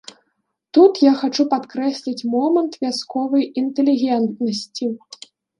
Тут я хачу падкрэсліць момант вясковай інтэлігентнасці.